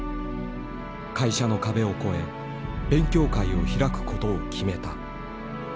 会社の壁を超え勉強会を開くことを決めた。